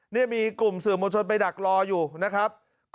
นี่มีกลุ่มสื่อมวลชนไปดักรออยู่นะครับ